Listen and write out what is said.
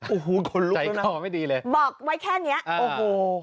อูฮูฝนลุกดึงนะบอกไว้แค่นี้ปรากฏว่าใจของที่ดีเลย